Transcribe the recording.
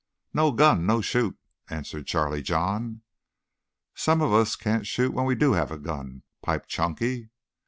"No gun, no shoot," answered Charlie John. "Some of us can't shoot when we do have a gun," piped Chunky.